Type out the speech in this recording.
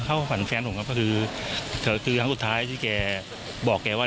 เข้าฝันแฟนผมครับก็คือครั้งสุดท้ายที่แกบอกแกว่า